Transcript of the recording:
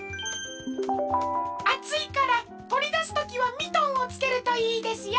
あついからとりだすときはミトンをつけるといいですよ。